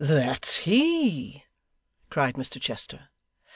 'That's he,' cried Mr Chester.